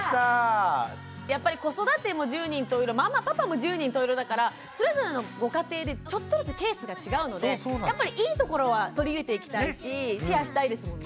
やっぱり子育ても十人十色ママパパも十人十色だからそれぞれのご家庭でちょっとずつケースが違うのでやっぱりいいところは取り入れていきたいしシェアしたいですもんね。